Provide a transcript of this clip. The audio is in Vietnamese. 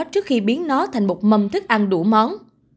trước khi biến nó thành một mầm thức ăn đủ món